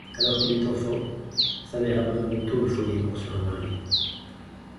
Alors qu'il est enfant, sa mère abandonne tôt le foyer pour se remarier.